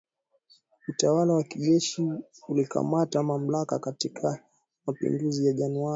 Utawala wa kijeshi ulikamata mamlaka katika mapinduzi ya Januari